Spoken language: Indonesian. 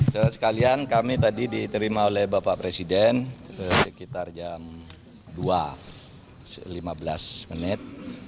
saya sekalian kami tadi diterima oleh bapak presiden sekitar jam dua lima belas menit